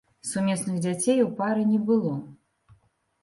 Сумесных дзяцей у пары не было.